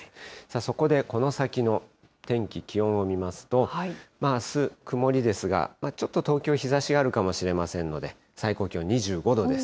そこでこの先の天気、気温を見ますと、あす曇りですが、ちょっと東京、日ざしがあるかもしれませんので、最高気温２５度です。